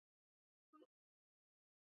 شک او ویره ژوند بې مانا کوي.